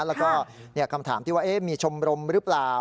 แล้วก็คำถามที่ว่ามีชมรมหรือเปล่า